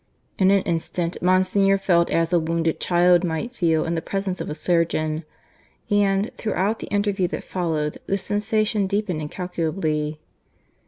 In an instant Monsignor felt as a wounded child might feel in the presence of a surgeon. And, throughout the interview that followed, this sensation deepened incalculably.